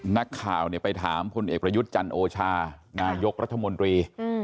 นักข่าวไปถามพลเอกประยุทธ์จันโอชานายกรัฐมนตรี